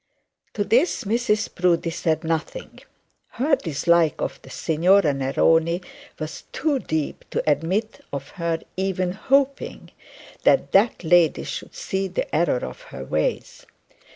To this Mrs Proudie said nothing. Her dislike of the Signora Neroni was too deep to admit of her even hoping that that lady should see the error of her ways.